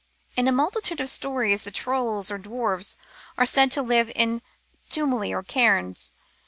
In a multitude of stories the trolls or dwarfs are said to live in tumuli or cairns.